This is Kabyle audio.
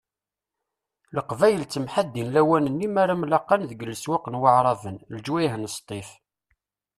Leqbayel ttemḥaddin lawan-nni m'ara mmlaqan deg leswaq n Waεraben, leǧwayeh n Sṭif.